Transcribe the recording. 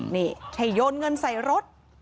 นี่ให้โยนเงินใส่รถ